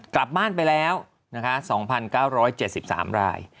กลับบ้านไปแล้ว๒๙๗๓ราย